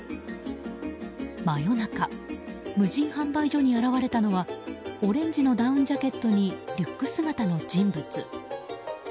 真夜中、無人販売所に現れたのはオレンジのダウンジャケットにリュック姿の人物。